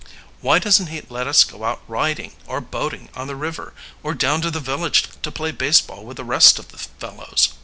Why doesn't he let us go out riding, or boating on the river, or down to the village to play baseball with the rest of the fellows?